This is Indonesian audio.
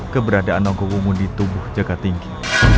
keberadaan nogowo di tubuh jaga tinggi